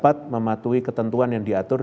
dan mematuhi ketentuan yang diatur